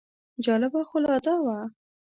جالبه خو لا دا وه.